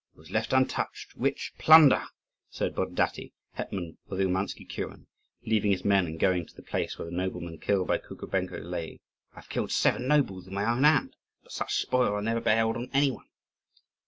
"He has left untouched rich plunder," said Borodaty, hetman of the Oumansky kuren, leaving his men and going to the place where the nobleman killed by Kukubenko lay. "I have killed seven nobles with my own hand, but such spoil I never beheld on any one."